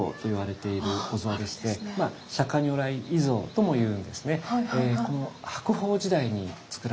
如来倚像とも言うんですね。